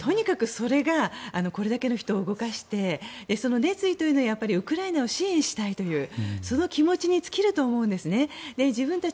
とにかくそれがこれだけの人を動かしてそういうのはウクライナの人を支援したいというその気持ちに尽きると思うんですね。